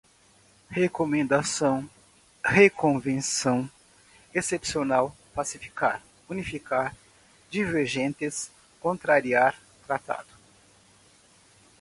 recomendação, reconvenção, excepcional, pacificar, unificar, divergentes, contrariar, tratado